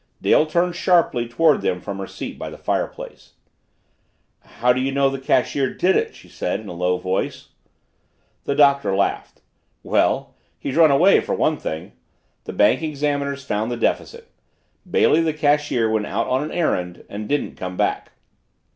Dale turned sharply toward them from her seat by the fireplace. "How do you know the cashier did it?" she said in a low voice. The Doctor laughed. "Well he's run away, for one thing. The bank examiners found the deficit. Bailey, the cashier, went out on an errand and didn't come back.